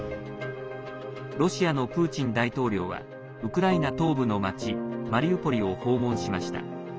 ロシアのプーチン大統領はウクライナ東部の町マリウポリを訪問しました。